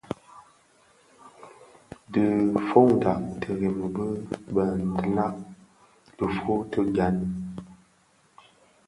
Ti foňdak tiremi bi bë nkak tifuu ti gani.